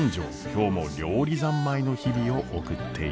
今日も料理三昧の日々を送っています。